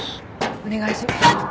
お願いしまあっ。